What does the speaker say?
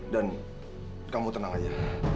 dan kamu tenang aja